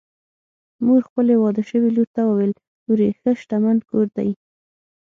مور خپلې واده شوې لور ته وویل: لورې! ښه شتمن کور دی